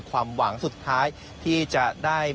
ความหวังสุดท้ายที่จะได้